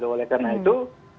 oleh karena itu